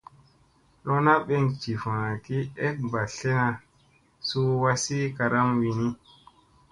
Lona ɓeŋ jiffa ki ek ɓa slena suu wazi karam wini.